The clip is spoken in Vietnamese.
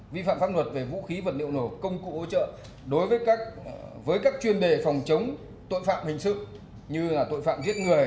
vi phạm pháp luật về vũ khí vật liệu nổ công cụ hỗ trợ đối với các chuyên đề phòng chống tội phạm hình sự như tội phạm giết người